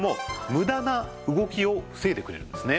無駄な動きを防いでくれるんですね。